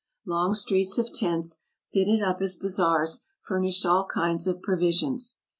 Long streets of tents, fitted up as bazaars, furnished all kinds of provisions.